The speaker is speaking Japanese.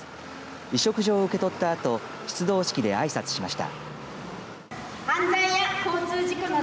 委嘱状を受け取ったあと出動式であいさつしました。